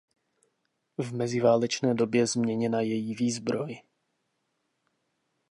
V meziválečné době změněna její výzbroj.